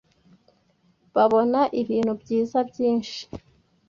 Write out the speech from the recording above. babona ibintu byiza byinshi.